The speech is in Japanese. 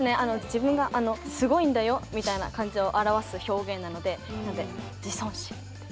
自分がすごいんだよみたいな感じを表す表現なのでなので自尊心ってやりました。